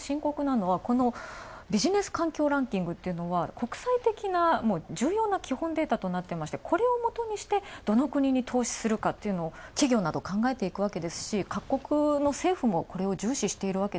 ビジネス環境ランキングというのは国際的な重要な基本データとなっていてこれをもとにして、どの国に投資するかを企業などが考えていくわけですし各国の政府も、これを重視していると。